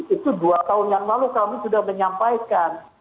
itu dua tahun yang lalu kami sudah menyampaikan